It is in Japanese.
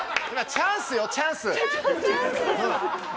チャンスチャンス。